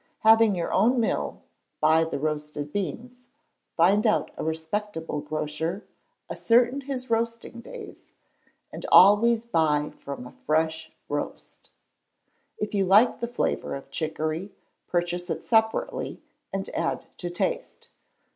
Having your own mill, buy the roasted beans; find out a respectable grocer, ascertain his roasting days, and always buy from a fresh roast. If you like the flavour of chicory, purchase it separately, and add to taste.